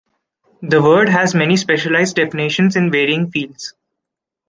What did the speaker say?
The word has many specialized definitions in varying fields.